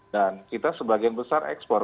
dan kita sebagian besar ekspor